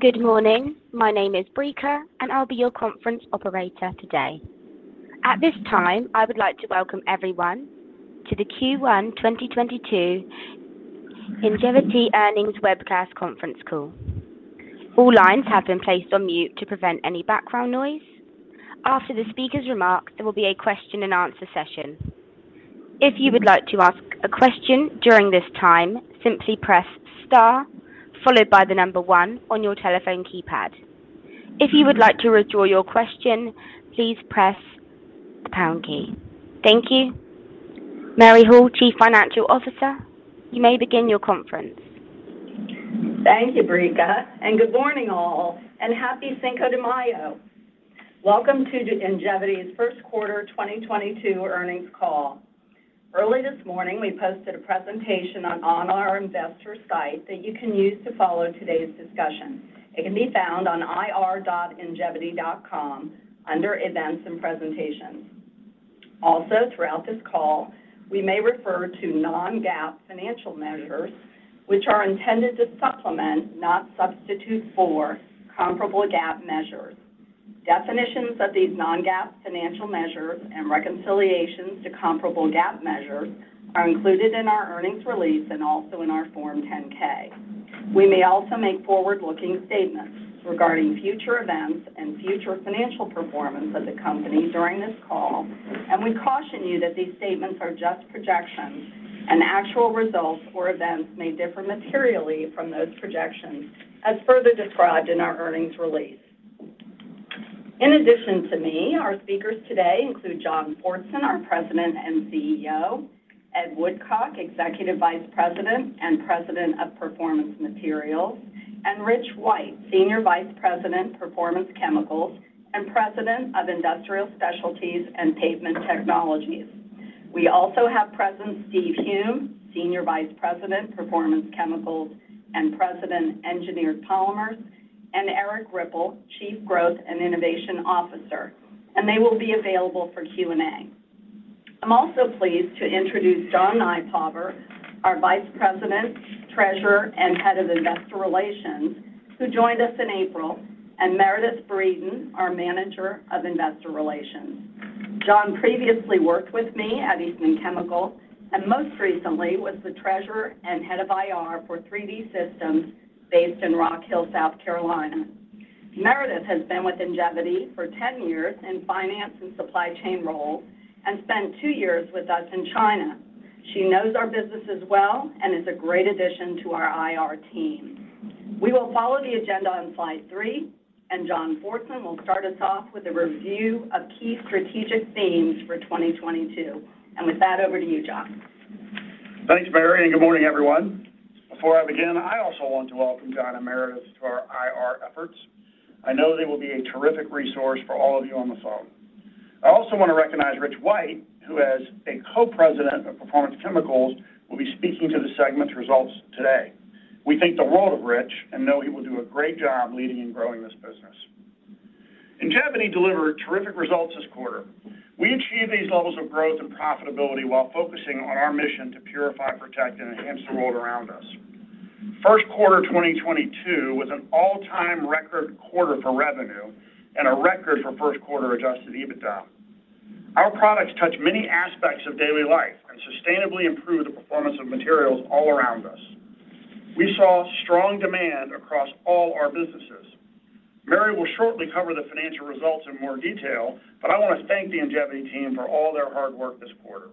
Good morning. My name is Brica, and I'll be your conference operator today. At this time, I would like to welcome everyone to the Q1 2022 Ingevity Earnings Webcast Conference Call. All lines have been placed on mute to prevent any background noise. After the speaker's remarks, there will be a question-and-answer session. If you would like to ask a question during this time, simply press Star followed by the number one on your telephone keypad. If you would like to withdraw your question, please press the pound key. Thank you. Mary Hall, Chief Financial Officer, you may begin your conference. Thank you, Brica. Good morning, all. Happy Cinco de Mayo. Welcome to Ingevity's Q1 2022 earnings call. Early this morning, we posted a presentation on our investor site that you can use to follow today's discussion. It can be found on ir.ingevity.com under Events and Presentations. Also, throughout this call, we may refer to non-GAAP financial measures, which are intended to supplement, not substitute for, comparable GAAP measures. Definitions of these non-GAAP financial measures and reconciliations to comparable GAAP measures are included in our earnings release and also in our Form 10-K. We may also make forward-looking statements regarding future events and future financial performance of the company during this call, and we caution you that these statements are just projections and actual results or events may differ materially from those projections as further described in our earnings release. In addition to me, our speakers today include John Fortson, our president and CEO, Ed Woodcock, Executive Vice President and President of Performance Materials, and Rich White, Senior Vice President, Performance Chemicals, and President of Industrial Specialties and Pavement Technologies. We also have present Steve Sheffield, Senior Vice President, Performance Chemicals, and President, Engineered Polymers, and Erik Ripple, Chief Growth and Innovation Officer, and they will be available for Q&A. I'm also pleased to introduce John Nypaver, our Vice President, Treasurer, and Head of Investor Relations, who joined us in April, and Meredith Breeden, our Manager of Investor Relations. John previously worked with me at Eastman Chemical and most recently was the Treasurer and Head of IR for 3D Systems based in Rock Hill, South Carolina. Meredith has been with Ingevity for 10 years in finance and supply chain roles and spent two years with us in China. She knows our businesses well and is a great addition to our IR team. We will follow the agenda on slide three, and John Fortson will start us off with a review of key strategic themes for 2022. With that, over to you, John. Thanks, Mary, and good morning, everyone. Before I begin, I also want to welcome John and Meredith to our IR efforts. I know they will be a terrific resource for all of you on the phone. I also want to recognize Rich White, who as a co-president of Performance Chemicals, will be speaking to the segment's results today. We think the world of Rich and know he will do a great job leading and growing this business. Ingevity delivered terrific results this quarter. We achieved these levels of growth and profitability while focusing on our mission to purify, protect, and enhance the world around us. Q1 2022 was an all-time record quarter for revenue and a record for Q1 adjusted EBITDA. Our products touch many aspects of daily life and sustainably improve the performance of materials all around us. We saw strong demand across all our businesses. Mary will shortly cover the financial results in more detail, but I want to thank the Ingevity team for all their hard work this quarter.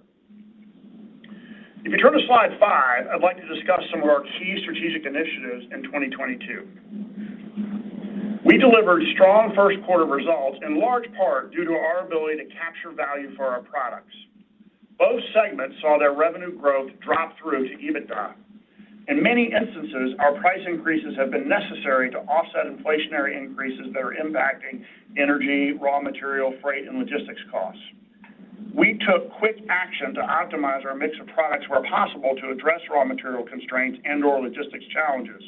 If you turn to slide five, I'd like to discuss some of our key strategic initiatives in 2022. We delivered strong Q1 results in large part due to our ability to capture value for our products. Both segments saw their revenue growth drop through to EBITDA. In many instances, our price increases have been necessary to offset inflationary increases that are impacting energy, raw material, freight, and logistics costs. We took quick action to optimize our mix of products where possible to address raw material constraints and/or logistics challenges,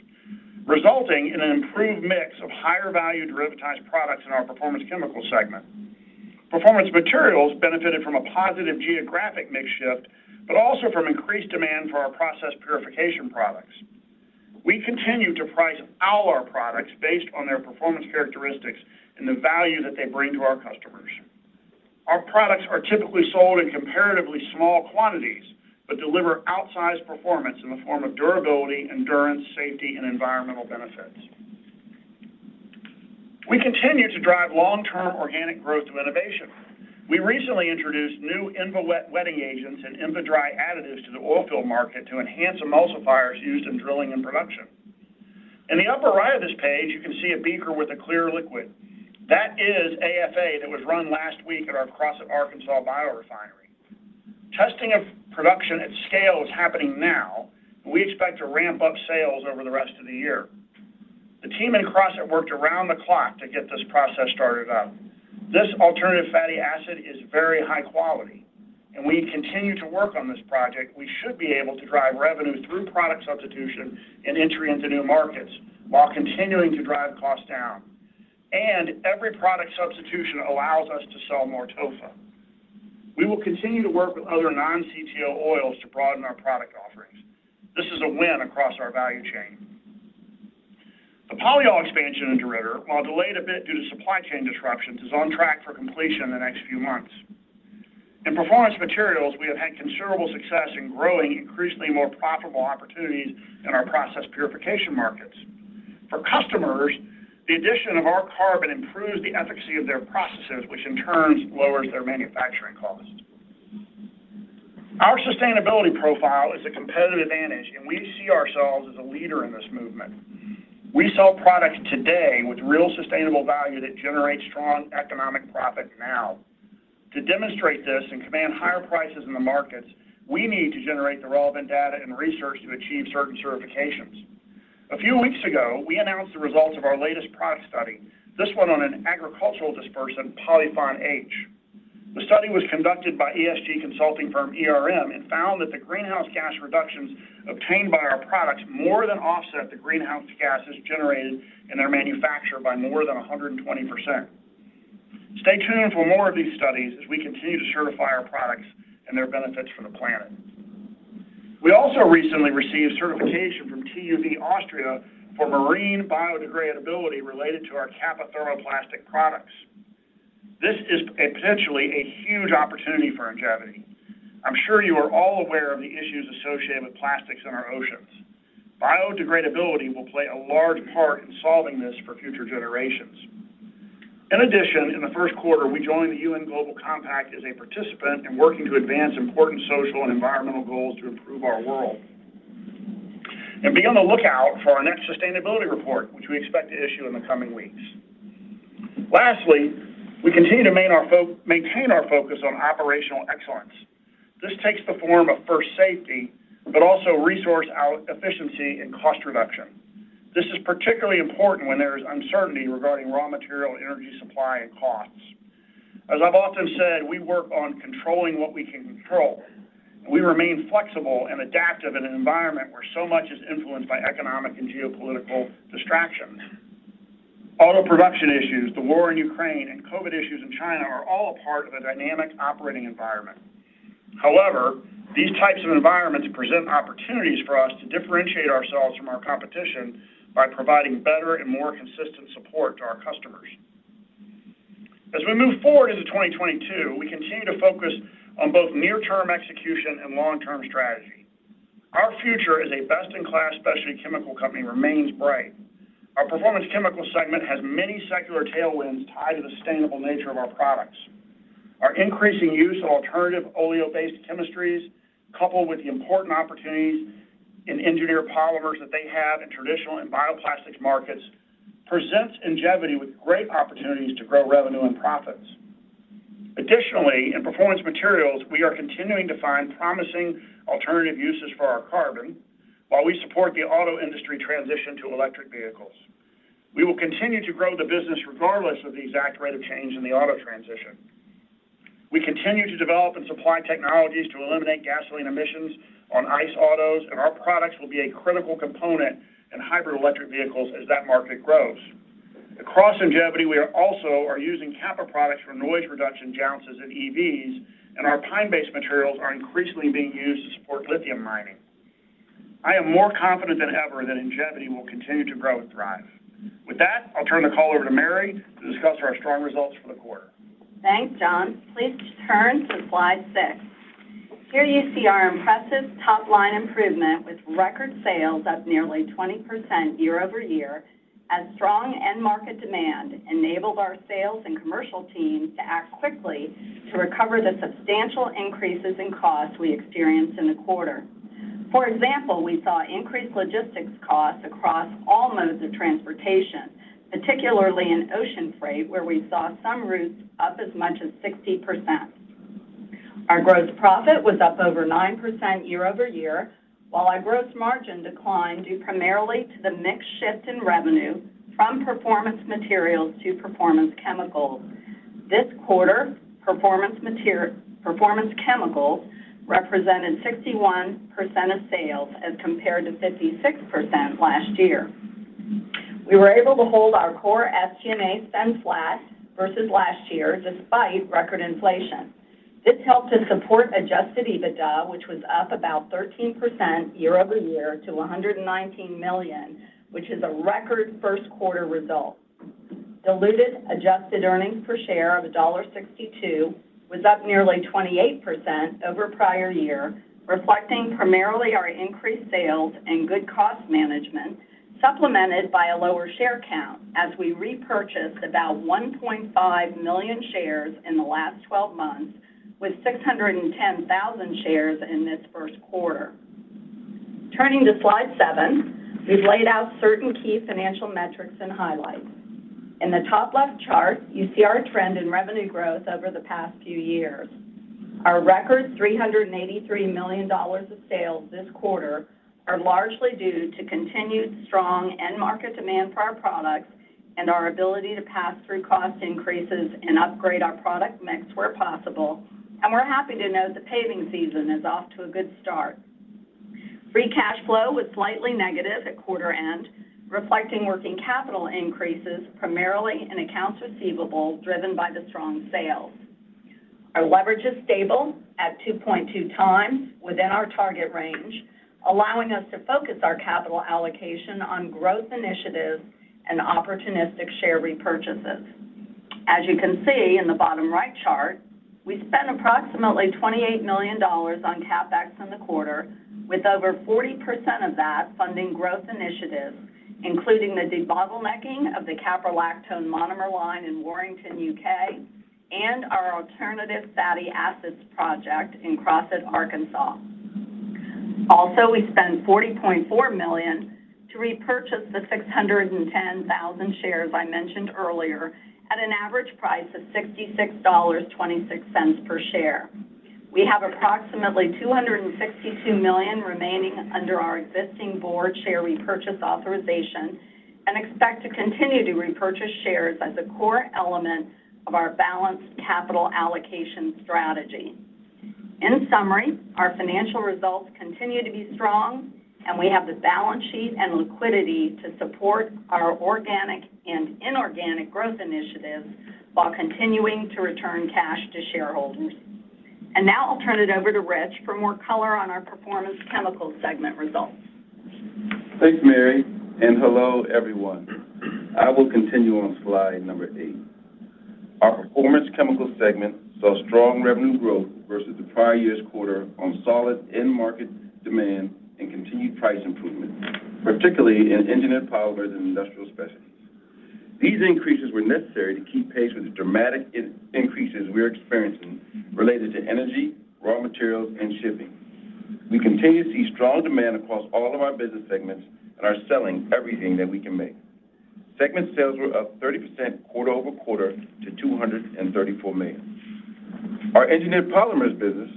resulting in an improved mix of higher-value derivatized products in our Performance Chemicals segment. Performance Materials benefited from a positive geographic mix shift, but also from increased demand for our process purification products. We continue to price all our products based on their performance characteristics and the value that they bring to our customers. Our products are typically sold in comparatively small quantities but deliver outsized performance in the form of durability, endurance, safety, and environmental benefits. We continue to drive long-term organic growth through innovation. We recently introduced new InvaWet wetting agents and InvaDry additives to the oil field market to enhance emulsifiers used in drilling and production. In the upper right of this page, you can see a beaker with a clear liquid. That is AFA that was run last week at our Crossett, Arkansas biorefinery. Testing of production at scale is happening now, and we expect to ramp up sales over the rest of the year. The team in Crossett worked around the clock to get this process started up. This alternative fatty acid is very high quality, and we continue to work on this project. We should be able to drive revenue through product substitution and entry into new markets while continuing to drive costs down. Every product substitution allows us to sell more TOFA. We will continue to work with other non-CTO oils to broaden our product offerings. This is a win across our value chain. The polyol expansion in DeRidder, while delayed a bit due to supply chain disruptions, is on track for completion in the next few months. In Performance Materials, we have had considerable success in growing increasingly more profitable opportunities in our process purification markets. For customers, the addition of our carbon improves the efficacy of their processes, which in turn lowers their manufacturing costs. Our sustainability profile is a competitive advantage, and we see ourselves as a leader in this movement. We sell products today with real sustainable value that generates strong economic profit now. To demonstrate this and command higher prices in the markets, we need to generate the relevant data and research to achieve certain certifications. A few weeks ago, we announced the results of our latest product study, this one on an agricultural dispersant, POLYfon H. The study was conducted by ESG consulting firm ERM and found that the greenhouse gas reductions obtained by our products more than offset the greenhouse gases generated in their manufacture by more than 120%. Stay tuned for more of these studies as we continue to certify our products and their benefits for the planet. We also recently received certification from TÜV Austria for marine biodegradability related to our Capa thermoplastic products. This is potentially a huge opportunity for Ingevity. I'm sure you are all aware of the issues associated with plastics in our oceans. Biodegradability will play a large part in solving this for future generations. In addition, in the Q1, we joined the UN Global Compact as a participant in working to advance important social and environmental goals to improve our world. Be on the lookout for our next sustainability report, which we expect to issue in the coming weeks. Lastly, we continue to maintain our focus on operational excellence. This takes the form of first safety, but also resource efficiency and cost reduction. This is particularly important when there is uncertainty regarding raw material, energy supply, and costs. As I've often said, we work on controlling what we can control. We remain flexible and adaptive in an environment where so much is influenced by economic and geopolitical distractions. Auto production issues, the war in Ukraine, and COVID issues in China are all a part of a dynamic operating environment. However, these types of environments present opportunities for us to differentiate ourselves from our competition by providing better and more consistent support to our customers. As we move forward into 2022, we continue to focus on both near-term execution and long-term strategy. Our future as a best-in-class specialty chemical company remains bright. Our Performance Chemicals segment has many secular tailwinds tied to the sustainable nature of our products. Our increasing use of alternative oleo-based chemistries, coupled with the important opportunities in engineered polymers that they have in traditional and bioplastics markets, presents Ingevity with great opportunities to grow revenue and profits. Additionally, in Performance Materials, we are continuing to find promising alternative uses for our carbon while we support the auto industry transition to electric vehicles. We will continue to grow the business regardless of the exact rate of change in the auto transition. We continue to develop and supply technologies to eliminate gasoline emissions on ICE autos, and our products will be a critical component in hybrid electric vehicles as that market grows. Across Ingevity, we also are using Capa products for noise reduction jounces in EVs, and our pine-based materials are increasingly being used to support lithium mining. I am more confident than ever that Ingevity will continue to grow and thrive. With that, I'll turn the call over to Mary to discuss our strong results for the quarter. Thanks, John. Please turn to slide six Here you see our impressive top-line improvement with record sales up nearly 20% year-over-year as strong end market demand enabled our sales and commercial team to act quickly to recover the substantial increases in cost we experienced in the quarter. For example, we saw increased logistics costs across all modes of transportation, particularly in ocean freight, where we saw some routes up as much as 60%. Our gross profit was up over 9% year-over-year, while our gross margin declined due primarily to the mix shift in revenue from Performance Materials to Performance Chemicals. This quarter, Performance Chemicals represented 61% of sales as compared to 56% last year. We were able to hold our core SG&A spend flat versus last year despite record inflation. This helped to support adjusted EBITDA, which was up about 13% year-over-year to $119 million, which is a record Q1 result. Diluted adjusted earnings per share of $1.62 was up nearly 28% over prior year, reflecting primarily our increased sales and good cost management, supplemented by a lower share count as we repurchased about 1.5 million shares in the last 12 months, with 610,000 shares in this Q1. Turning to slide seven, we've laid out certain key financial metrics and highlights. In the top left chart, you see our trend in revenue growth over the past few years. Our record $383 million of sales this quarter are largely due to continued strong end market demand for our products and our ability to pass through cost increases and upgrade our product mix where possible, and we're happy to note the paving season is off to a good start. Free cash flow was slightly negative at quarter end, reflecting working capital increases primarily in accounts receivable driven by the strong sales. Our leverage is stable at 2.2 times within our target range, allowing us to focus our capital allocation on growth initiatives and opportunistic share repurchases. As you can see in the bottom right chart, we spent approximately $28 million on CapEx in the quarter, with over 40% of that funding growth initiatives, including the debottlenecking of the caprolactone monomer line in Warrington, U.K., and our alternative fatty acids project in Crossett, Arkansas. We spent $40.4 million to repurchase 610,000 shares I mentioned earlier at an average price of $66.26 per share. We have approximately $262 million remaining under our existing board share repurchase authorization and expect to continue to repurchase shares as a core element of our balanced capital allocation strategy. In summary, our financial results continue to be strong and we have the balance sheet and liquidity to support our organic and inorganic growth initiatives while continuing to return cash to shareholders. Now I'll turn it over to Rich for more color on our Performance Chemicals segment results. Thanks, Mary, and hello, everyone. I will continue on slide number eight. Our Performance Chemicals segment saw strong revenue growth versus the prior year's quarter on solid end market demand and continued price improvement, particularly in Engineered Polymers and Industrial Specialties. These increases were necessary to keep pace with the dramatic increases we are experiencing related to energy, raw materials and shipping. We continue to see strong demand across all of our business segments and are selling everything that we can make. Segment sales were up 30% quarter-over-quarter to $234 million. Our Engineered Polymers business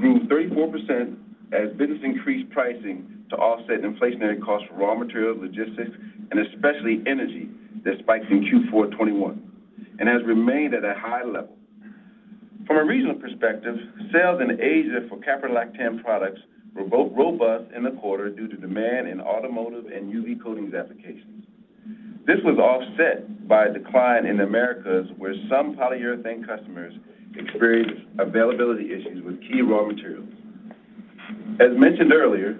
grew 34% as business increased pricing to offset inflationary costs for raw materials, logistics, and especially energy that spiked in Q4 2021 and has remained at a high level. From a regional perspective, sales in Asia for caprolactone products were robust in the quarter due to demand in automotive and UV coatings applications. This was offset by a decline in Americas, where some polyurethane customers experienced availability issues with key raw materials. As mentioned earlier,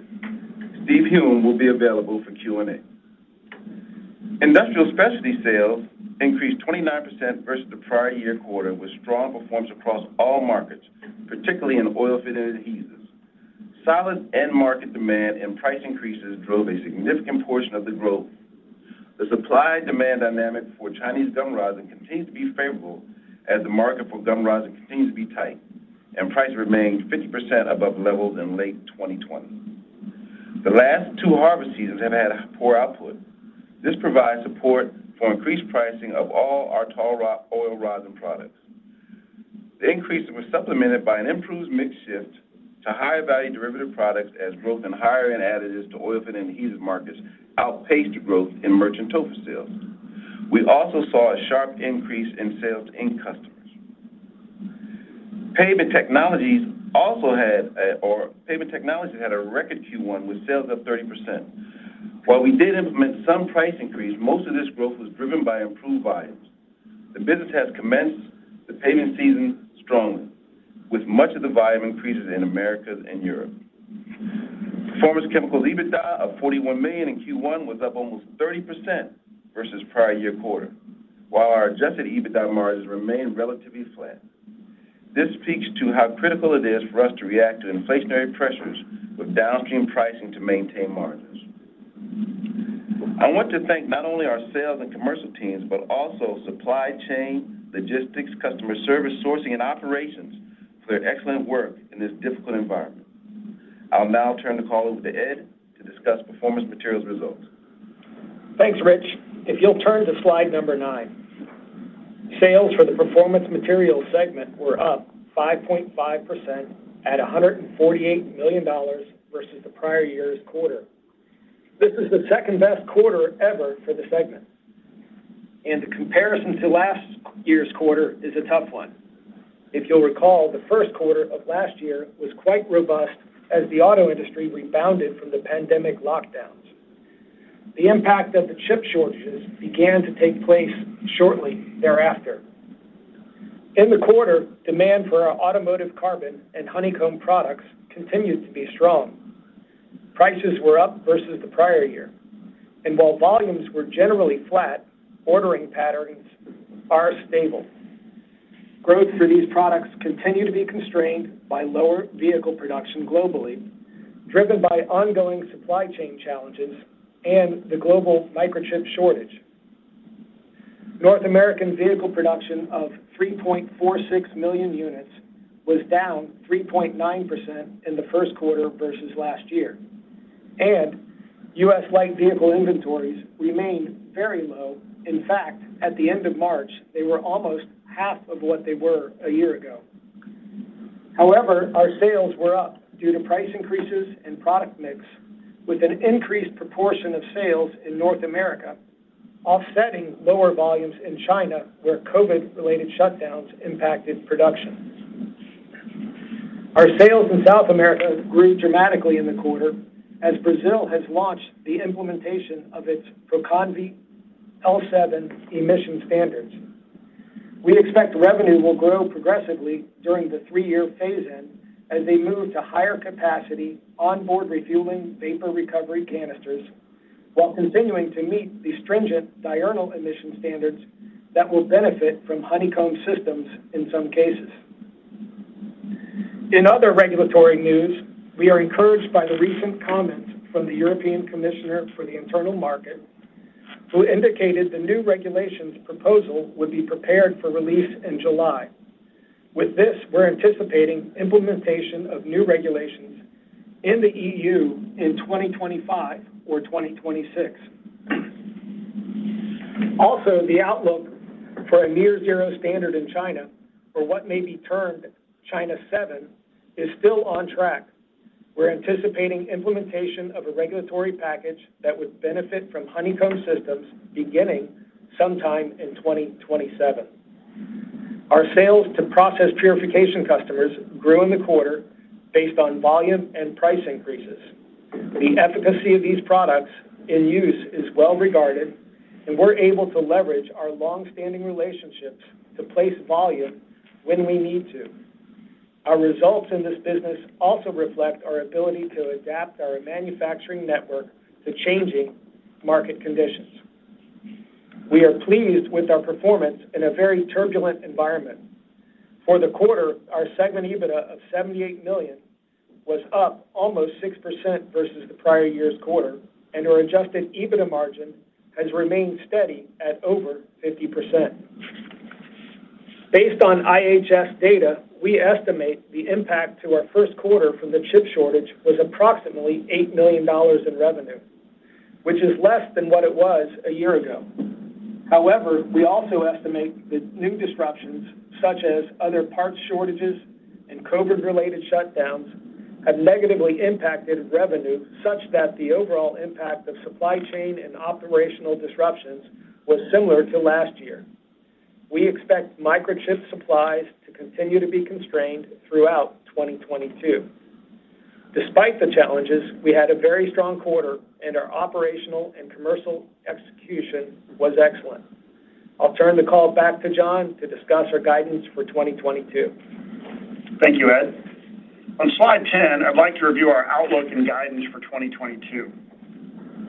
Steve Sheffield will be available for Q&A. Industrial Specialties sales increased 29% versus the prior year quarter, with strong performance across all markets, particularly in oilfield and adhesives. Solid end market demand and price increases drove a significant portion of the growth. The supply-demand dynamic for Chinese gum rosin continues to be favorable as the market for gum rosin continues to be tight and prices remained 50% above levels in late 2020. The last two harvest seasons have had poor output. This provides support for increased pricing of all our tall oil rosin products. The increase was supplemented by an improved mix shift to higher value derivative products as growth in higher-end additives to oilfield and adhesives markets outpaced growth in merchant TOFA sales. We also saw a sharp increase in sales to ink customers. Pavement Technologies had a record Q1 with sales up 30%. While we did implement some price increase, most of this growth was driven by improved volumes. The business has commenced the paving season strongly, with much of the volume increases in Americas and Europe. Performance Chemicals EBITDA of $41 million in Q1 was up almost 30% versus prior-year quarter, while our adjusted EBITDA margins remained relatively flat. This speaks to how critical it is for us to react to inflationary pressures with downstream pricing to maintain margins. I want to thank not only our sales and commercial teams, but also supply chain, logistics, customer service, sourcing and operations for their excellent work in this difficult environment. I'll now turn the call over to Ed to discuss Performance Materials results. Thanks, Rich. If you'll turn to slide nine. Sales for the Performance Materials segment were up 5.5% at $148 million versus the prior year's quarter. This is the second-best quarter ever for the segment, and the comparison to last year's quarter is a tough one. If you'll recall, the Q of last year was quite robust as the auto industry rebounded from the pandemic lockdowns. The impact of the chip shortages began to take place shortly thereafter. In the quarter, demand for our automotive carbon and honeycomb products continued to be strong. Prices were up versus the prior year. While volumes were generally flat, ordering patterns are stable. Growth for these products continue to be constrained by lower vehicle production globally, driven by ongoing supply chain challenges and the global microchip shortage. North American vehicle production of 3.46 million units was down 3.9% in the Q1 versus last year, and U.S. light vehicle inventories remained very low. In fact, at the end of March, they were almost half of what they were a year ago. However, our sales were up due to price increases and product mix with an increased proportion of sales in North America, offsetting lower volumes in China, where COVID related shutdowns impacted production. Our sales in South America grew dramatically in the quarter as Brazil has launched the implementation of its PROCONVE L7 emission standards. We expect revenue will grow progressively during the three-year phase-in as they move to higher capacity onboard refueling vapor recovery canisters while continuing to meet the stringent diurnal emission standards that will benefit from honeycomb systems in some cases. In other regulatory news, we are encouraged by the recent comments from the European Commissioner for the Internal Market who indicated the new regulations proposal would be prepared for release in July. With this, we're anticipating implementation of new regulations in the E.U. in 2025 or 2026. Also, the outlook for a near zero standard in China or what may be termed China 7 is still on track. We're anticipating implementation of a regulatory package that would benefit from honeycomb systems beginning sometime in 2027. Our sales to process purification customers grew in the quarter based on volume and price increases. The efficacy of these products in use is well regarded, and we're able to leverage our long-standing relationships to place volume when we need to. Our results in this business also reflect our ability to adapt our manufacturing network to changing market conditions. We are pleased with our performance in a very turbulent environment. For the quarter, our segment EBITDA of $78 million was up almost 6% versus the prior year's quarter, and our adjusted EBITDA margin has remained steady at over 50%. Based on IHS data, we estimate the impact to our Q1 from the chip shortage was approximately $8 million in revenue, which is less than what it was a year ago. However, we also estimate that new disruptions, such as other parts shortages and COVID-related shutdowns, have negatively impacted revenue such that the overall impact of supply chain and operational disruptions was similar to last year. We expect microchip supplies to continue to be constrained throughout 2022. Despite the challenges, we had a very strong quarter and our operational and commercial execution was excellent. I'll turn the call back to John to discuss our guidance for 2022. Thank you, Ed. On slide 10, I'd like to review our outlook and guidance for 2022.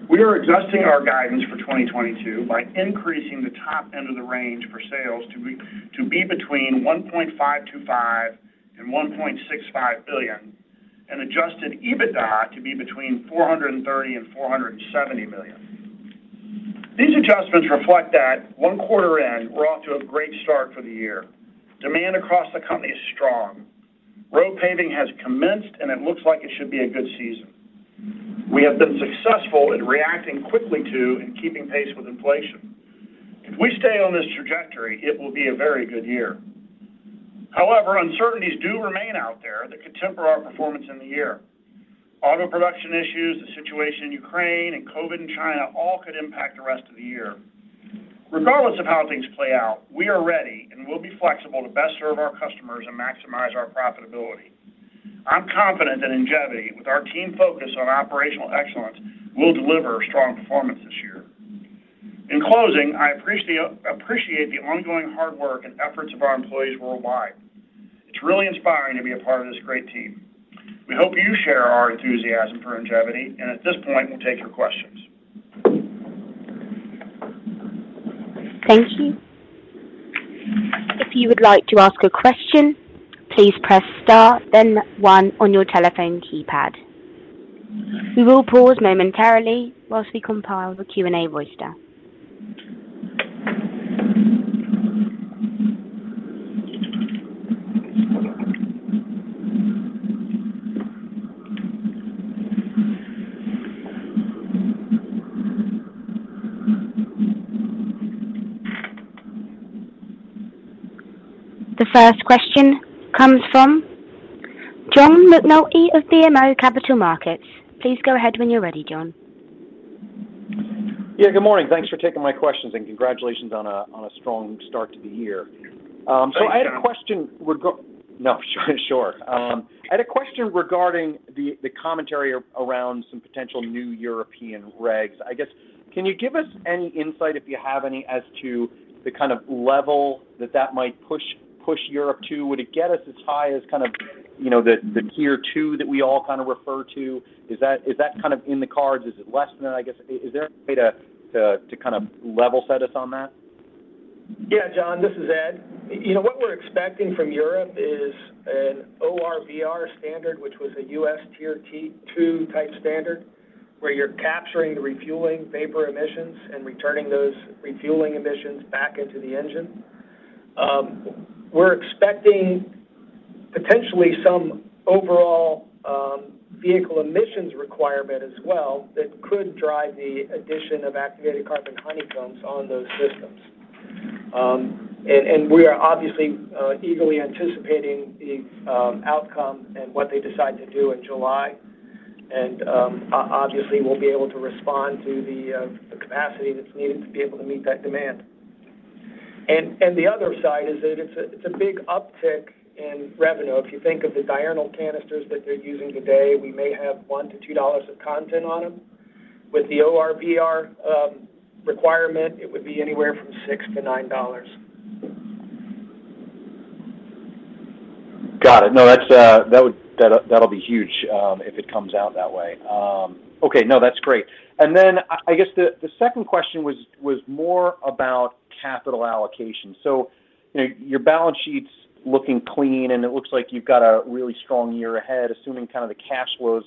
We are adjusting our guidance for 2022 by increasing the top end of the range for sales to be between $1.525 to $1.65 billion and adjusted EBITDA to be between $430 to $470 million. These adjustments reflect that one quarter in, we're off to a great start for the year. Demand across the company is strong. Road paving has commenced, and it looks like it should be a good season. We have been successful in reacting quickly to and keeping pace with inflation. If we stay on this trajectory, it will be a very good year. However, uncertainties do remain out there that could temper our performance in the year. Auto production issues, the situation in Ukraine, and COVID in China all could impact the rest of the year. Regardless of how things play out, we are ready and will be flexible to best serve our customers and maximize our profitability. I'm confident that Ingevity, with our team focused on operational excellence, will deliver a strong performance this year. In closing, I appreciate the ongoing hard work and efforts of our employees worldwide. It's really inspiring to be a part of this great team. We hope you share our enthusiasm for Ingevity, and at this point, we'll take your questions. Thank you. If you would like to ask a question, please press star then one on your telephone keypad. We will pause momentarily while we compile the Q&A roster. The first question comes from John McNulty of BMO Capital Markets. Please go ahead when you're ready, John. Yeah, good morning. Thanks for taking my questions and congratulations on a strong start to the year. Thank you, John. I had a question regarding the commentary around some potential new European regs. I guess can you give us any insight if you have any as to the kind of level that that might push Europe to? Would it get us as high as kind of, you know, the Tier 2 that we all kind of refer to? Is that kind of in the cards? Is it less than that? I guess is there a way to kind of level set us on that? Yeah, John, this is Ed. You know what we're expecting from Europe is an ORVR standard which was a U.S. Tier 2 type standard where you're capturing the refueling vapor emissions and returning those refueling emissions back into the engine. We're expecting potentially some overall vehicle emissions requirement as well that could drive the addition of activated carbon honeycombs on those systems. We are obviously eagerly anticipating the outcome and what they decide to do in July. Obviously, we'll be able to respond to the capacity that's needed to be able to meet that demand. The other side is that it's a big uptick in revenue. If you think of the diurnal canisters that they're using today, we may have $1-$2 of content on them. With the ORVR requirement, it would be anywhere from $6 to $9. Got it. No, that's. That'll be huge if it comes out that way. Okay. No, that's great. I guess the second question was more about capital allocation. You know, your balance sheet's looking clean, and it looks like you've got a really strong year ahead, assuming kind of the cash flows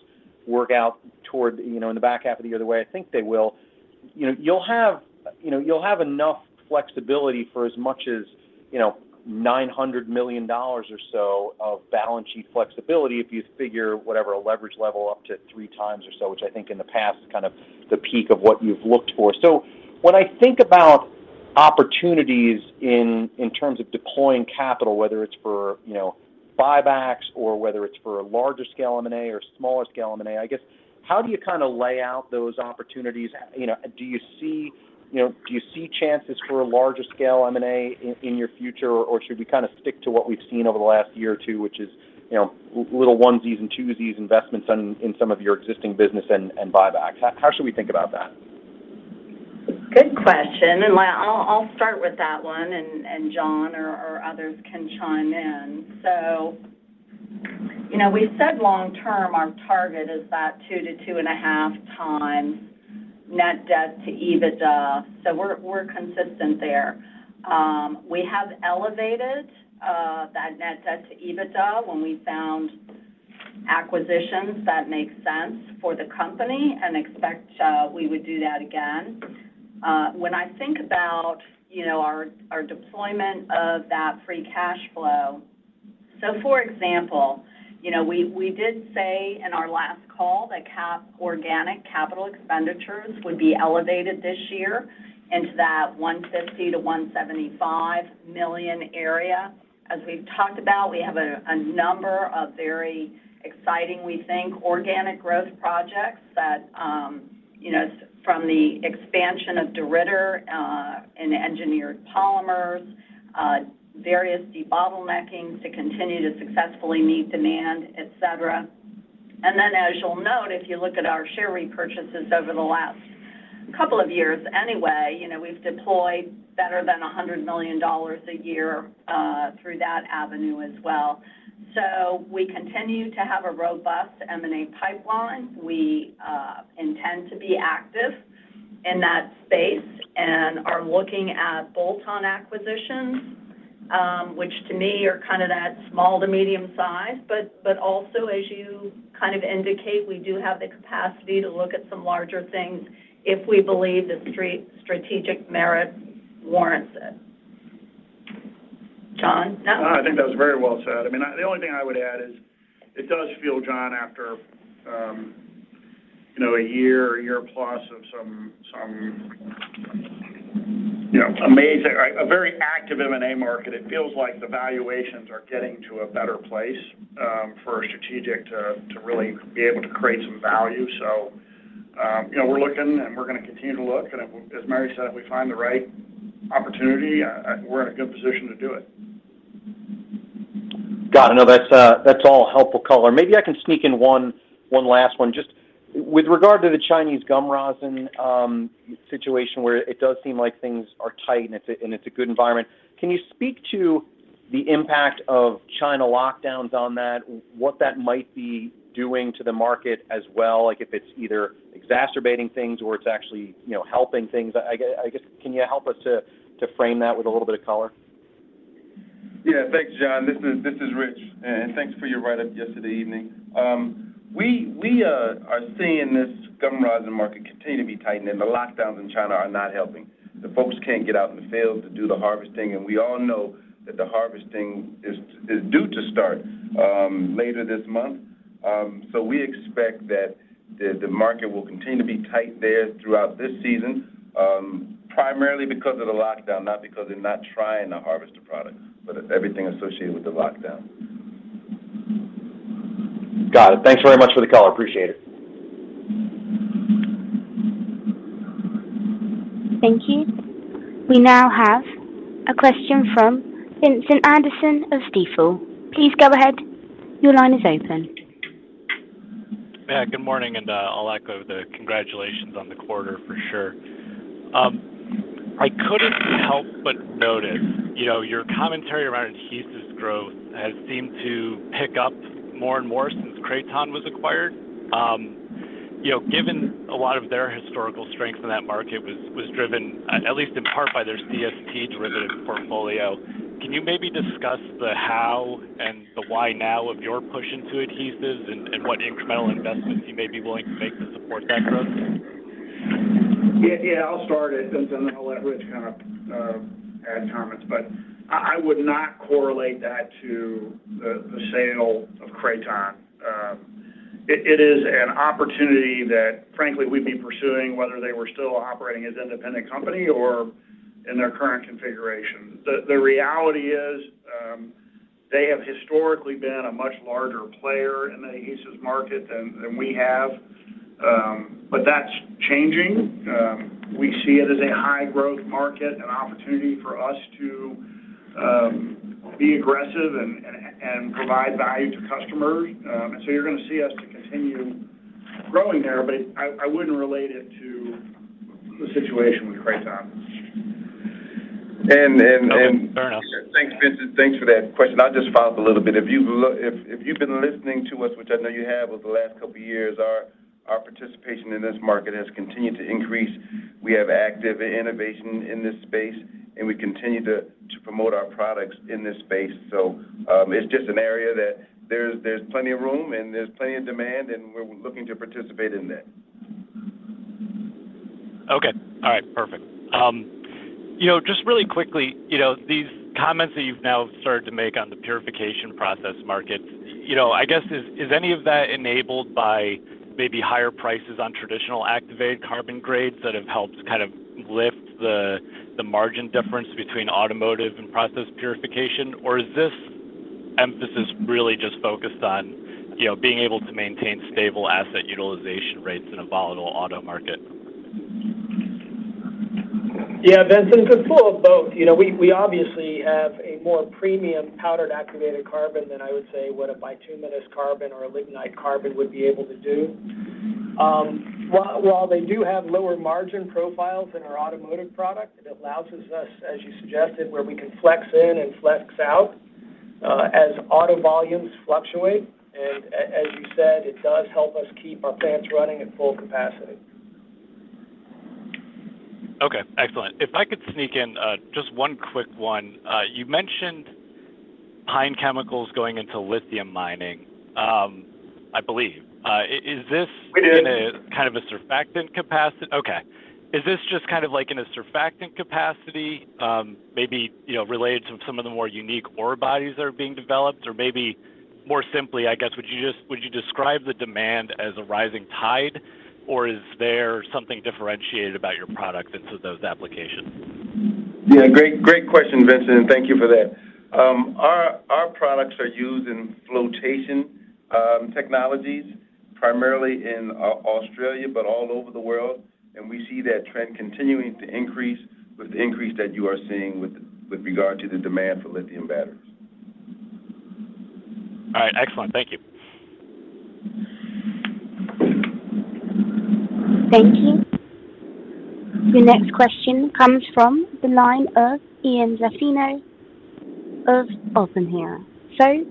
work out toward, you know, in the back half of the year the way I think they will. You know, you'll have enough flexibility for as much as $900 million or so of balance sheet flexibility if you figure, whatever, a leverage level up to 3x or so, which I think in the past is kind of the peak of what you've looked for. When I think about opportunities in terms of deploying capital, whether it's for, you know, buybacks or whether it's for a larger scale M&A or smaller scale M&A, I guess, how do you kinda lay out those opportunities? You know, do you see, you know, do you see chances for a larger scale M&A in your future, or should we kinda stick to what we've seen over the last year or two, which is, you know, little onesies and twosies investments in some of your existing business and buybacks? How should we think about that? Good question. I'll start with that one, and John or others can chime in. You know, we said long term our target is that 2x to 2.5x net debt to EBITDA, so we're consistent there. We have elevated that net debt to EBITDA when we found acquisitions that make sense for the company and expect we would do that again. When I think about, you know, our deployment of that free cash flow. For example, you know, we did say in our last call that organic capital expenditures would be elevated this year into that $150-$175 million area. As we've talked about, we have a number of very exciting, we think, organic growth projects that, you know, from the expansion of DeRidder in Engineered Polymers, various debottlenecking to continue to successfully meet demand, et cetera. Then as you'll note, if you look at our share repurchases over the last couple of years anyway, you know, we've deployed better than $100 million a year through that avenue as well. We continue to have a robust M&A pipeline. We intend to be active in that space and are looking at bolt-on acquisitions, which to me are kind of that small to medium size. But also, as you kind of indicate, we do have the capacity to look at some larger things if we believe the strategic merit warrants it. John? No, I think that was very well said. I mean, the only thing I would add is it does feel, John, after you know, a year or year plus of some you know, amazing. A very active M&A market, it feels like the valuations are getting to a better place, for a strategic to really be able to create some value. You know, we're looking, and we're gonna continue to look. If, as Mary said, we find the right opportunity, we're in a good position to do it. Got it. No, that's all helpful color. Maybe I can sneak in one last one. Just with regard to the Chinese gum rosin situation where it does seem like things are tight and it's a good environment, can you speak to the impact of China lockdowns on that, what that might be doing to the market as well? Like, if it's either exacerbating things or it's actually, you know, helping things. I guess, can you help us to frame that with a little bit of color? Yeah. Thanks, John. This is Rich. Thanks for your write-up yesterday evening. We are seeing this gum rosin market continue to be tightening. The lockdowns in China are not helping. The folks can't get out in the fields to do the harvesting, and we all know that the harvesting is due to start later this month. We expect that the market will continue to be tight there throughout this season, primarily because of the lockdown, not because they're not trying to harvest the product, but it's everything associated with the lockdown. Got it. Thanks very much for the color. Appreciate it. Thank you. We now have a question from Vincent Anderson of Stifel. Please go ahead. Your line is open. Yeah. Good morning, and I'll echo the congratulations on the quarter for sure. I couldn't help but notice, you know, your commentary around adhesives growth has seemed to pick up more and more since Kraton was acquired. You know, given a lot of their historical strength in that market was driven, at least in part by their CST-derived portfolio, can you maybe discuss the how and the why now of your push into adhesives and what incremental investments you may be willing to make to support that growth? I'll start, and then I'll let Rich kind of add comments. I would not correlate that to the sale of Kraton. It is an opportunity that frankly we'd be pursuing whether they were still operating as independent company or in their current configuration. The reality is, they have historically been a much larger player in the adhesives market than we have. But that's changing. We see it as a high growth market, an opportunity for us to be aggressive and provide value to customers. So you're gonna see us to continue growing there, but I wouldn't relate it to the situation with Kraton. And, and- Okay. Fair enough. Thanks, Vincent. Thanks for that question. I'll just follow up a little bit. If you've been listening to us, which I know you have, over the last couple of years, our participation in this market has continued to increase. We have active innovation in this space, and we continue to promote our products in this space. It's just an area that there's plenty of room and there's plenty of demand, and we're looking to participate in that. Okay. All right. Perfect. You know, just really quickly, you know, these comments that you've now started to make on the purification process market, you know, I guess is any of that enabled by maybe higher prices on traditional activated carbon grades that have helped kind of lift the margin difference between automotive and process purification? Or is this emphasis really just focused on, you know, being able to maintain stable asset utilization rates in a volatile auto market? Yeah, Vincent, it's a little of both. You know, we obviously have a more premium powdered activated carbon than I would say what a bituminous carbon or a lignite carbon would be able to do. While they do have lower margin profiles in our automotive product, it allows us, as you suggested, where we can flex in and flex out, as auto volumes fluctuate. As you said, it does help us keep our plants running at full capacity. Okay. Excellent. If I could sneak in just one quick one. You mentioned Pine Chemicals going into lithium mining, I believe. Is this. We did. Is this just kind of like in a surfactant capacity, maybe, you know, related to some of the more unique ore bodies that are being developed? Or maybe more simply, I guess, would you describe the demand as a rising tide, or is there something differentiated about your product in those applications? Yeah. Great question, Vincent, and thank you for that. Our products are used in flotation technologies, primarily in Australia, but all over the world. We see that trend continuing to increase with the increase that you are seeing with regard to the demand for lithium batteries. All right. Excellent. Thank you. Thank you. Your next question comes from the line of Ian Zaffino of Oppenheimer.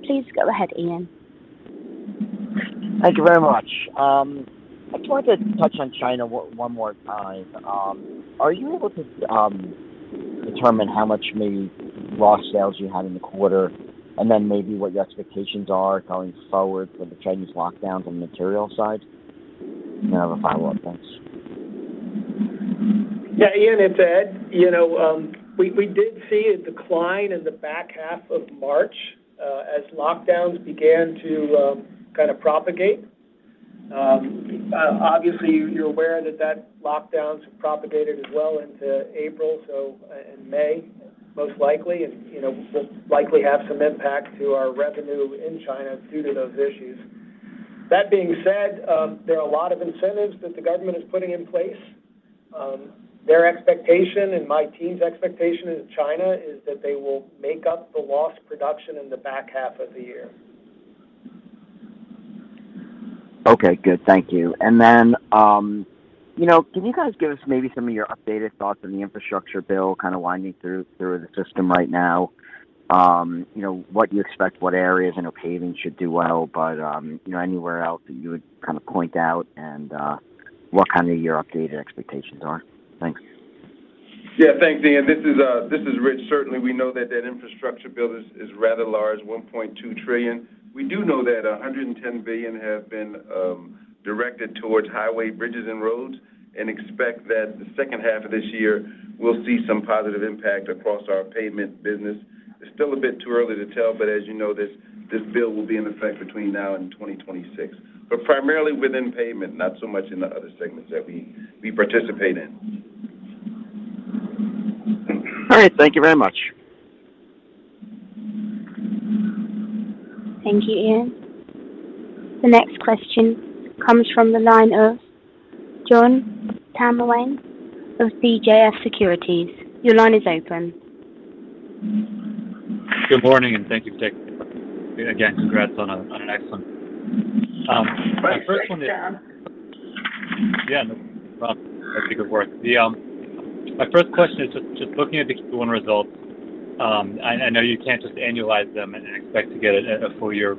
Please go ahead, Ian. Thank you very much. I just wanted to touch on China one more time. Are you able to determine how much maybe lost sales you had in the quarter, and then maybe what your expectations are going forward for the Chinese lockdowns on the material side? I have a follow-up. Thanks. Yeah. Ian, it's Ed. You know, we did see a decline in the back half of March, as lockdowns began to kind of propagate. Obviously you're aware that lockdowns have propagated as well into April, so in May, most likely. You know, we'll likely have some impact to our revenue in China due to those issues. That being said, there are a lot of incentives that the government is putting in place. Their expectation and my team's expectation in China is that they will make up the lost production in the back half of the year. Okay. Good. Thank you. You know, can you guys give us maybe some of your updated thoughts on the infrastructure bill kind of winding through the system right now? You know, what you expect, what areas. I know pavement should do well, but, you know, anywhere else that you would kind of point out and, what kind of your updated expectations are. Thanks. Yeah. Thanks, Ian. This is Rich. Certainly, we know that infrastructure bill is rather large, $1.2 trillion. We do know that $110 billion have been directed towards highway bridges and roads, and expect that the H2 of this year will see some positive impact across our pavement business. It's still a bit too early to tell, but as you know, this bill will be in effect between now and 2026. Primarily within pavement, not so much in the other segments that we participate in. All right. Thank you very much. Thank you, Ian. The next question comes from the line of Jon Tanwanteng of CJS Securities. Your line is open. Good morning, and thank you, Rich White. Again, congrats on an excellent- Great. Thanks, Jon. Yeah. No problem. That's good work. My first question is just looking at the Q1 results. I know you can't just annualize them and expect to get a full-year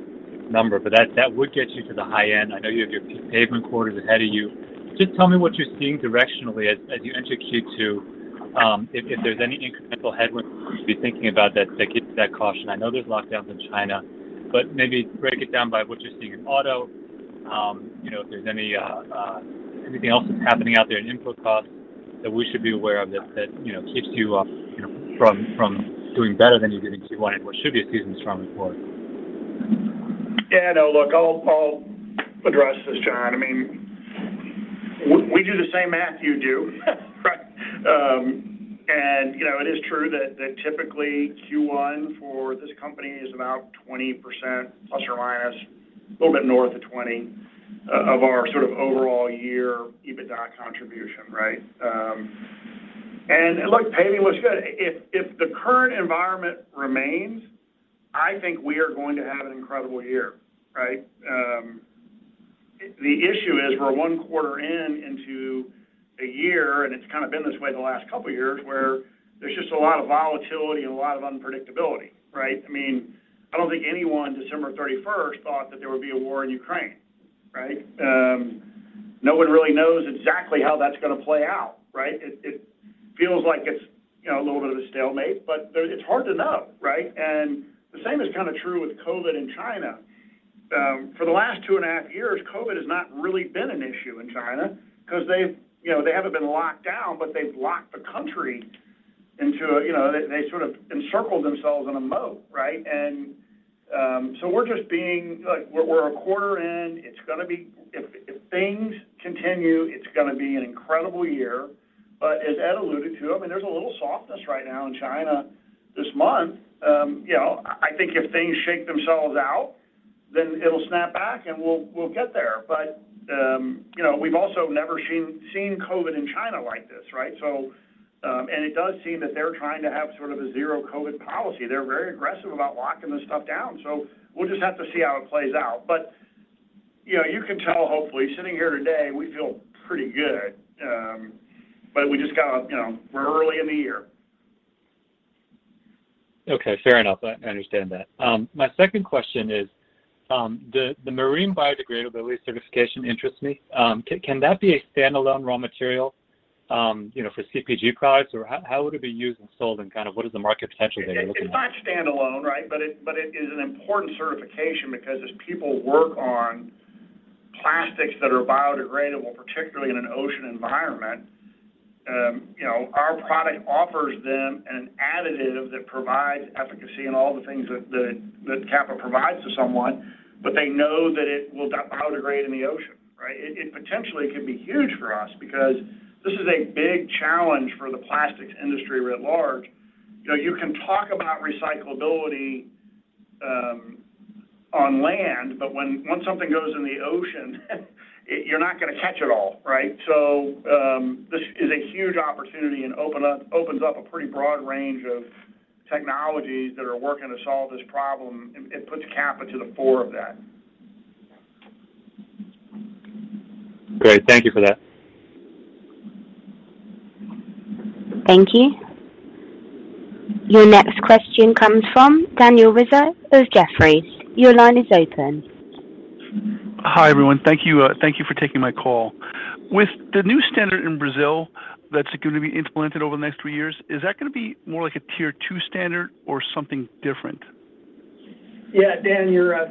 number, but that would get you to the high end. I know you have your Pavement quarters ahead of you. Just tell me what you're seeing directionally as you enter Q2, if there's any incremental headwinds we should be thinking about that gets to that caution. I know there's lockdowns in China, but maybe break it down by what you're seeing in auto, you know, if there's anything else that's happening out there in input costs. That we should be aware of that, you know, keeps you know, from doing better than you did in Q1 in what should be a seasonally strong report. Yeah, no, look, I'll address this, John. I mean, we do the same math you do. Right? You know, it is true that typically Q1 for this company is about 20% plus or minus, a little bit north of 20, of our sort of overall year EBITDA contribution, right? Look, tell me what's good. If the current environment remains, I think we are going to have an incredible year, right? The issue is we're one quarter into a year, and it's kind of been this way the last couple years, where there's just a lot of volatility and a lot of unpredictability, right? I mean, I don't think anyone December 31st thought that there would be a war in Ukraine, right? No one really knows exactly how that's gonna play out, right? It feels like it's, you know, a little bit of a stalemate, but it's hard to know, right? The same is kind of true with COVID in China. For the last 2.5 years, COVID has not really been an issue in China 'cause they've, you know, they haven't been locked down, but they've locked the country into a, you know, they sort of encircled themselves in a moat, right? We're just being. Look, we're a quarter in. It's gonna be. If things continue, it's gonna be an incredible year. As Ed alluded to, I mean, there's a little softness right now in China this month. You know, I think if things shake themselves out, then it'll snap back, and we'll get there. You know, we've also never seen COVID in China like this, right? It does seem that they're trying to have sort of a zero COVID policy. They're very aggressive about locking this stuff down. We'll just have to see how it plays out. You know, you can tell hopefully sitting here today, we feel pretty good. We just gotta, you know, we're early in the year. Okay. Fair enough. I understand that. My second question is, the marine biodegradability certification interests me. Can that be a standalone raw material, you know, for CPG products, or how would it be used and sold and kind of what is the market potential there you're looking at? It's not standalone, right? It is an important certification because as people work on plastics that are biodegradable, particularly in an ocean environment, you know, our product offers them an additive that provides efficacy and all the things that Capa provides to someone, but they know that it will biodegrade in the ocean, right? It potentially could be huge for us because this is a big challenge for the plastics industry writ large. You know, you can talk about recyclability on land, but once something goes in the ocean, you're not gonna catch it all, right? This is a huge opportunity and opens up a pretty broad range of technologies that are working to solve this problem, and puts Capa to the fore of that. Great. Thank you for that. Thank you. Your next question comes from Daniel Rizzo of Jefferies. Your line is open. Hi, everyone. Thank you, thank you for taking my call. With the new standard in Brazil that's gonna be implemented over the next two years, is that gonna be more like a Tier 2 standard or something different? Yeah, Dan, you're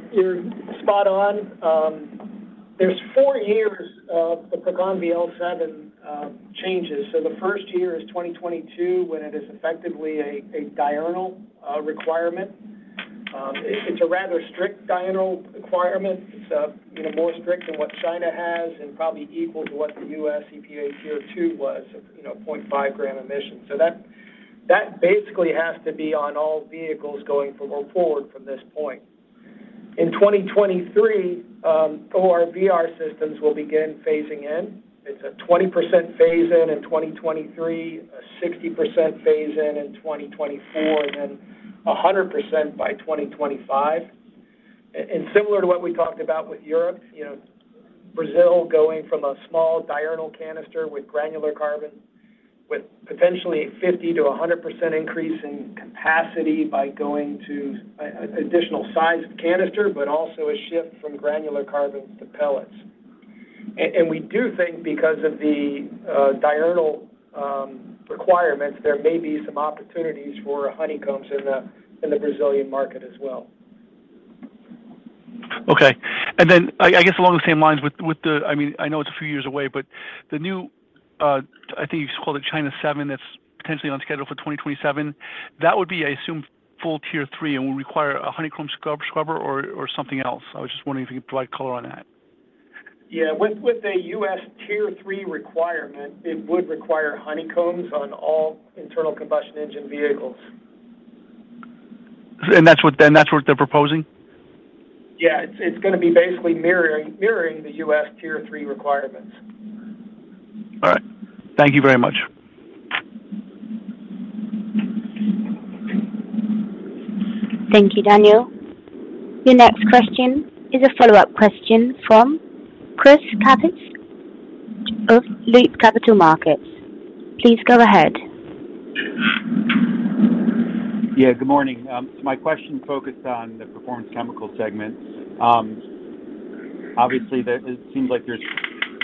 spot on. There's four years of the PROCONVE L7 changes. The first year is 2022 when it is effectively a diurnal requirement. It's a rather strict diurnal requirement. It's more strict than what China has and probably equal to what the U.S. EPA Tier 2 was, you know, 0.5g emission. That basically has to be on all vehicles going forward from this point. In 2023, ORVR systems will begin phasing in. It's a 20% phase in in 2023, a 60% phase in in 2024, and then a 100% by 2025. Similar to what we talked about with Europe, you know, Brazil going from a small diurnal canister with granular carbon with potentially 50%-100% increase in capacity by going to an additional size canister, but also a shift from granular carbons to pellets. We do think because of the diurnal requirements, there may be some opportunities for honeycombs in the Brazilian market as well. Okay. I guess along the same lines, I mean, I know it's a few years away, but the new, I think you just called it China 7, that's potentially on schedule for 2027. That would be, I assume, full Tier 3 and would require a honeycomb scrubber or something else. I was just wondering if you could provide color on that. Yeah. With a U.S. Tier 3 requirement, it would require honeycombs on all internal combustion engine vehicles. That's what they're proposing? Yeah. It's gonna be basically mirroring the U.S. Tier 3 requirements. All right. Thank you very much. Thank you, Daniel. Your next question is a follow-up question from Jon Tanwanteng of Loop Capital Markets. Please go ahead. Yeah. Good morning. My question focused on the Performance Chemicals segment. Obviously, there it seems like there's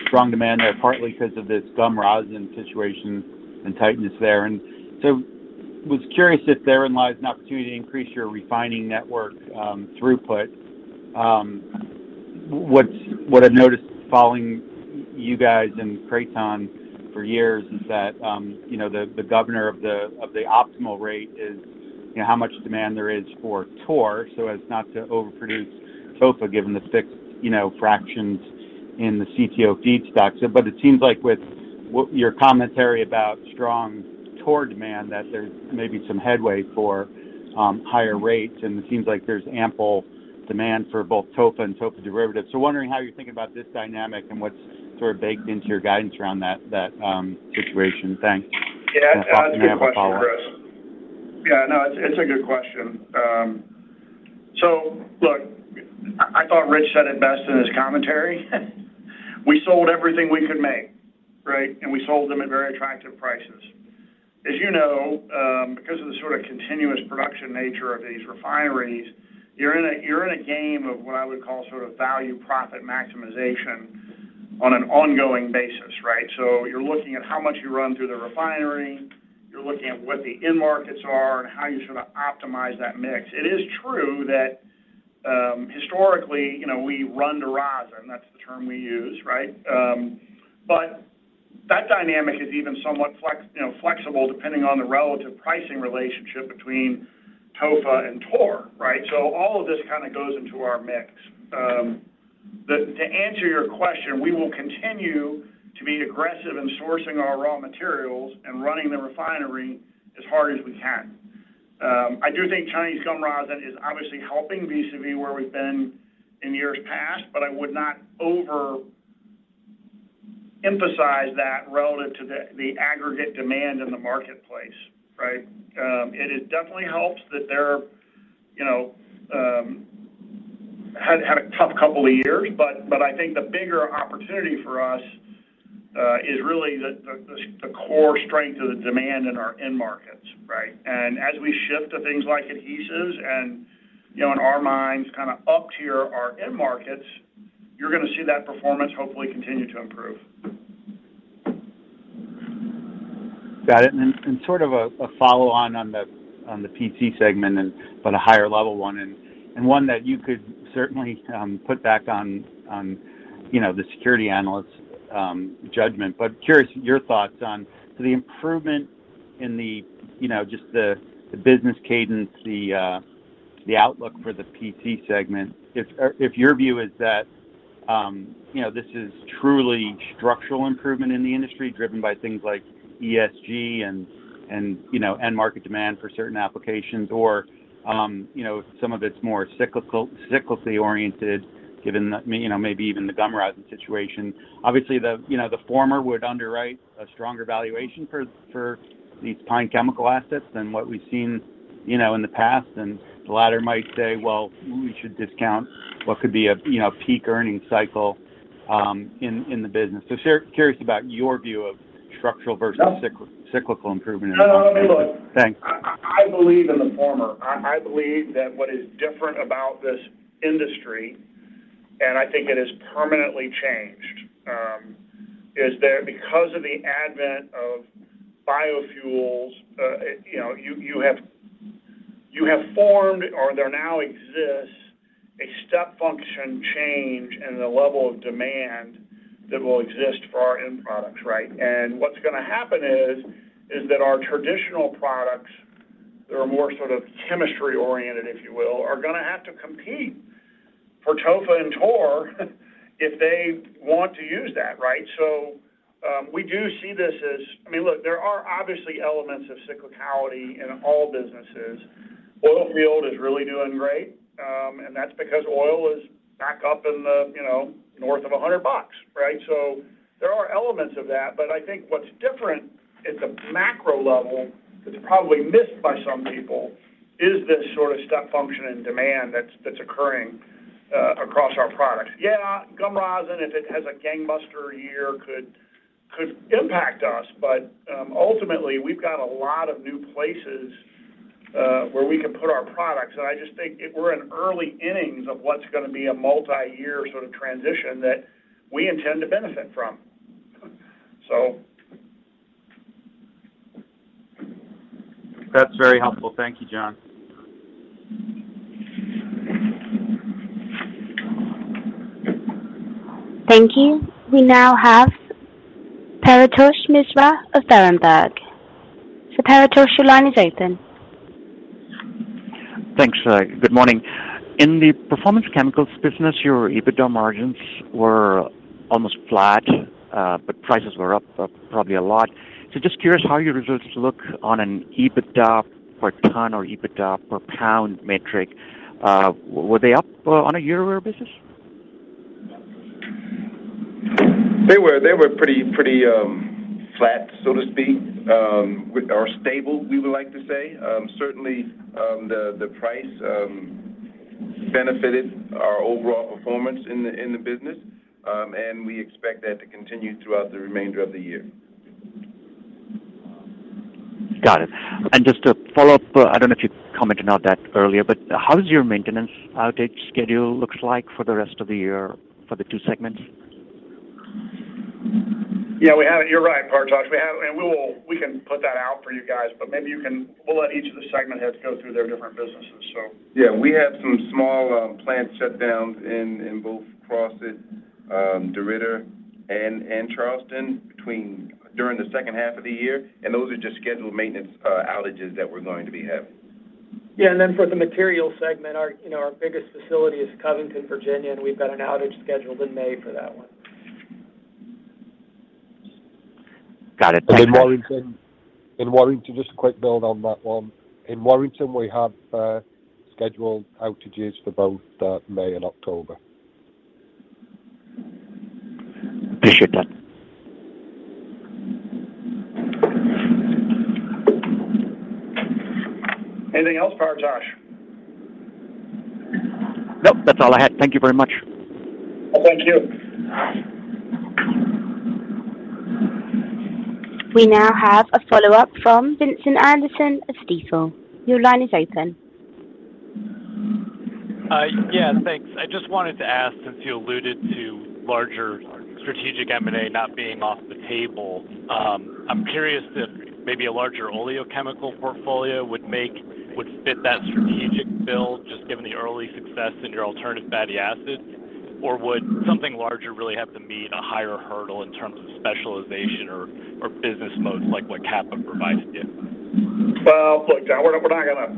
strong demand there partly because of this gum rosin situation and tightness there. I was curious if therein lies an opportunity to increase your refining network throughput. What I've noticed following you guys and Kraton for years is that, you know, the governor of the optimal rate is, you know, how much demand there is for TOR so as not to overproduce TOFA given the fixed, you know, fractions in the CTO feedstocks. It seems like with what your commentary about strong TOR demand that there's maybe some headway for higher rates, and it seems like there's ample demand for both TOFA and TOFA derivatives. Wondering how you're thinking about this dynamic and what's sort of baked into your guidance around that situation? Thanks. Yeah. Scott, do you have a follow-up? That's a good question, Chris. Yeah, no, it's a good question. Look, I thought Rich said it best in his commentary. We sold everything we could make, right? We sold them at very attractive prices. As you know, because of the sort of continuous production nature of these refineries, you're in a game of what I would call sort of value profit maximization on an ongoing basis, right? You're looking at how much you run through the refinery. You're looking at what the end markets are and how you sort of optimize that mix. It is true that, historically, you know, we run the rosin. That's the term we use, right? That dynamic is even somewhat flexible depending on the relative pricing relationship between TOFA and TOR, right? All of this kind of goes into our mix. To answer your question, we will continue to be aggressive in sourcing our raw materials and running the refinery as hard as we can. I do think Chinese gum rosin is obviously helping vis-a-vis where we've been in years past, but I would not overemphasize that relative to the aggregate demand in the marketplace, right? It definitely helps that they've had a tough couple of years, but I think the bigger opportunity for us is really the core strength of the demand in our end markets, right? As we shift to things like adhesives and in our minds kind of up tier our end markets, you're gonna see that performance hopefully continue to improve. Got it. Then sort of a follow-on on the PT segment, but a higher level one that you could certainly put back on, you know, the security analyst's judgment. Curious your thoughts on the improvement in, you know, just the business cadence, the outlook for the PT segment. If your view is that, you know, this is truly structural improvement in the industry driven by things like ESG and, you know, end market demand for certain applications or, you know, some of it's more cyclically oriented given that, you know, maybe even the gum rosin situation. Obviously, you know, the former would underwrite a stronger valuation for these pine chemical assets than what we've seen, you know, in the past. The latter might say, "Well, we should discount what could be a, you know, peak earning cycle in the business." Curious about your view of structural versus cyclical improvement in the- No, no, look. Thanks. I believe in the former. I believe that what is different about this industry, and I think it has permanently changed, is that because of the advent of biofuels, you know, you have formed or there now exists a step function change in the level of demand that will exist for our end products, right? What's gonna happen is that our traditional products that are more sort of chemistry oriented, if you will, are gonna have to compete for TOFA and TOR if they want to use that, right? We do see this as I mean, look, there are obviously elements of cyclicality in all businesses. Oil field is really doing great, and that's because oil is back up in the, you know, north of $100 bucks, right? There are elements of that, but I think what's different at the macro level that's probably missed by some people is this sort of step function in demand that's occurring across our products. Yeah, gum rosin, if it has a gangbuster year could impact us. Ultimately, we've got a lot of new places where we can put our products. I just think we're in early innings of what's gonna be a multi-year sort of transition that we intend to benefit from. That's very helpful. Thank you, John. Thank you. We now have Paretosh Misra of Berenberg. Paretosh, your line is open. Thanks. Good morning. In the Performance Chemicals business, your EBITDA margins were almost flat, but prices were up probably a lot. Just curious how your results look on an EBITDA per ton or EBITDA per pound metric. Were they up on a year-over-year basis? They were pretty flat, so to speak, or stable, we would like to say. Certainly, the price benefited our overall performance in the business. We expect that to continue throughout the remainder of the year. Got it. Just to follow up, I don't know if you commented on that earlier, but how does your maintenance outage schedule looks like for the rest of the year for the two segments? Yeah, we have it. You're right, Paretosh. We can put that out for you guys, but we'll let each of the segment heads go through their different businesses so. Yeah, we have some small plant shutdowns in both Crossett, DeRidder, and Charleston during the H2 of the year, and those are just scheduled maintenance outages that we're going to be having. Yeah. For the Materials segment, our, you know, our biggest facility is Covington, Virginia, and we've got an outage scheduled in May for that one. Got it. Thanks. Warrington. In Warrington, just a quick build on that one. In Warrington, we have scheduled outages for both May and October. Appreciate that. Anything else, Paretosh? Nope, that's all I had. Thank you very much. Thank you. We now have a follow-up from Vincent Anderson of Stifel. Your line is open. Yeah, thanks. I just wanted to ask, since you alluded to larger strategic M&A not being off the table, I'm curious if maybe a larger oleochemical portfolio would fit that strategic bill, just given the early success in your alternative fatty acids? Or would something larger really have to meet a higher hurdle in terms of specialization or business moats like what Capa provided you? Well, look, we're not gonna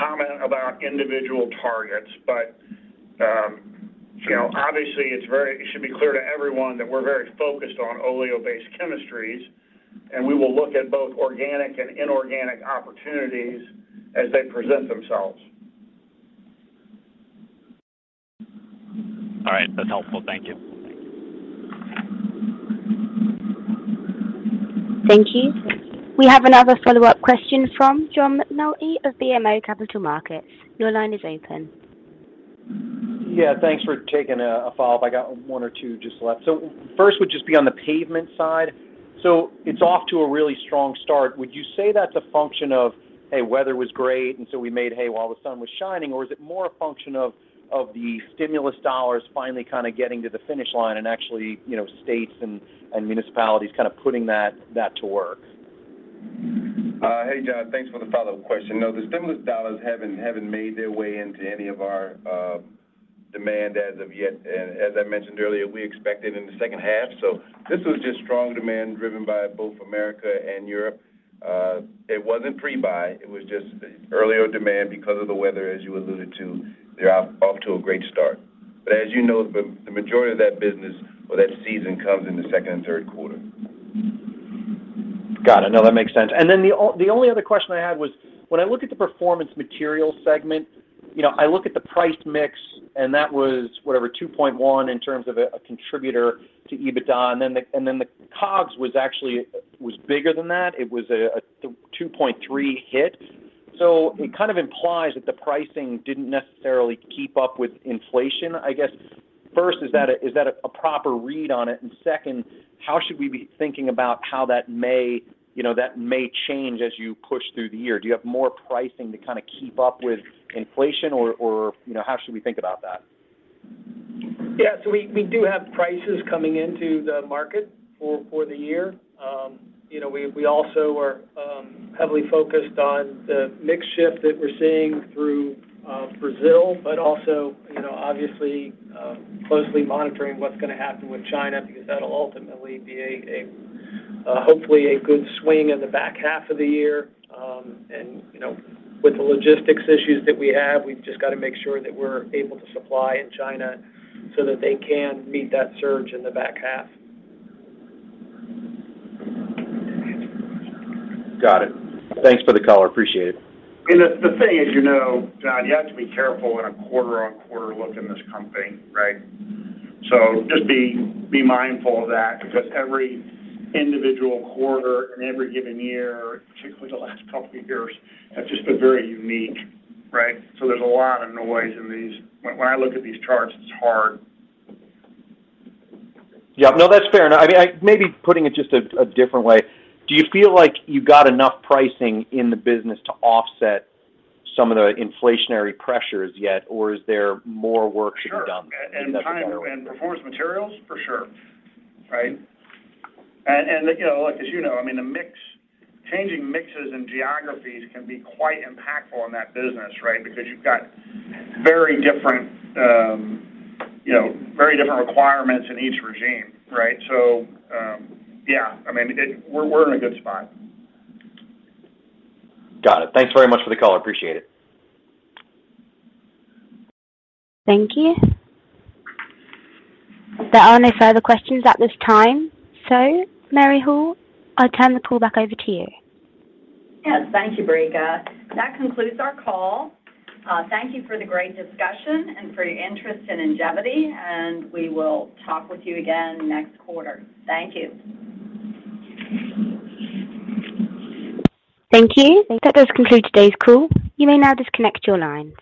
comment about individual targets, but you know, obviously, it should be clear to everyone that we're very focused on oleo-based chemistries, and we will look at both organic and inorganic opportunities as they present themselves. All right. That's helpful. Thank you. Thank you. We have another follow-up question from John McNulty of BMO Capital Markets. Your line is open. Yeah. Thanks for taking a follow-up. I got one or two just left. First would just be on the pavement side. It's off to a really strong start. Would you say that's a function of, hey, weather was great, and so we made hay while the sun was shining, or is it more a function of the stimulus dollars finally kinda getting to the finish line and actually, you know, states and municipalities kind of putting that to work? Hey, John. Thanks for the follow-up question. No, the stimulus dollars haven't made their way into any of our demand as of yet. As I mentioned earlier, we expect it in the H2. This was just strong demand driven by both America and Europe. It wasn't pre-buy. It was just earlier demand because of the weather, as you alluded to. They're off to a great start. As you know, the majority of that business or that season comes in the second and Q3. Got it. No, that makes sense. Then the only other question I had was when I look at the Performance Materials segment, you know, I look at the price mix, and that was whatever, 2.1 in terms of a contributor to EBITDA. Then the COGS was actually bigger than that. It was a 2.3 hit. So it kind of implies that the pricing didn't necessarily keep up with inflation. I guess, first, is that a proper read on it? And second, how should we be thinking about how that may, you know, that may change as you push through the year? Do you have more pricing to kinda keep up with inflation or, you know, how should we think about that? Yeah. We do have prices coming into the market for the year. You know, we also are heavily focused on the mix shift that we're seeing through Brazil, but also, you know, obviously, closely monitoring what's gonna happen with China because that'll ultimately be hopefully a good swing in the back half of the year. You know, with the logistics issues that we have, we've just gotta make sure that we're able to supply in China so that they can meet that surge in the back half. Got it. Thanks for the call. Appreciate it. The thing is, you know, John, you have to be careful in a quarter-on-quarter look in this company, right? Just be mindful of that because every individual quarter in every given year, particularly the last couple years, have just been very unique, right? There's a lot of noise in these. When I look at these charts, it's hard. Yeah. No, that's fair. No, I mean, maybe putting it just a different way. Do you feel like you got enough pricing in the business to offset some of the inflationary pressures yet, or is there more work to be done? Sure. In Performance Materials? For sure, right? You know, I mean, the mix changing mixes and geographies can be quite impactful on that business, right? Because you've got very different, you know, very different requirements in each regime, right? Yeah, I mean, it, we're in a good spot. Got it. Thanks very much for the call. Appreciate it. Thank you. There are no further questions at this time. Mary Hall, I turn the call back over to you. Yes. Thank you, Brika. That concludes our call. Thank you for the great discussion and for your interest in Ingevity, and we will talk with you again next quarter. Thank you. Thank you. That does conclude today's call. You may now disconnect your line.